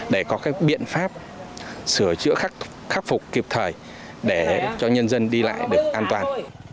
để có các biện pháp sửa chữa khắc phục kịp thời để cho nhân dân đi lại được an toàn